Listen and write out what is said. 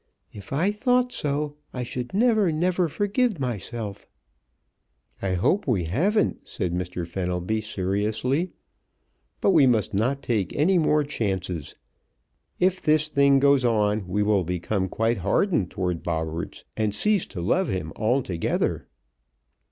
If I thought so I should never, never forgive myself!" "I hope we haven't," said Mr. Fenelby, seriously; "but we must not take any more chances. If this thing goes on we will become quite hardened toward Bobberts, and cease to love him altogether."